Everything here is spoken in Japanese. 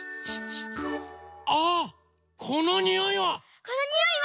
あっこのにおいは！